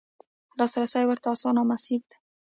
لاسرسی ورته اسانه او میسر دی.